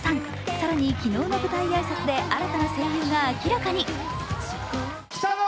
更に昨日の舞台挨拶で新たな声優が明らかに。